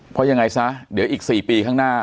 เพราะยังไงซะเดี๋ยวอีก๔ปีข้างหน้า